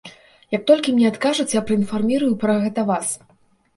І як толькі мне адкажуць, я праінфармую пра гэта вас.